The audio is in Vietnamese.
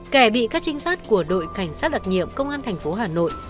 kẻ bị các trinh sát của đội cảnh sát đặc nhiệm công an thành phố hà nội